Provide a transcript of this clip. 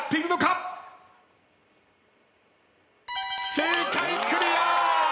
正解クリア！